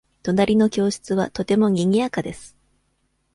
隣の教室はとてもにぎやかです。